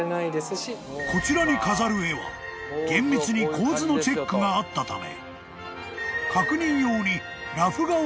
［こちらに飾る絵は厳密に構図のチェックがあったため］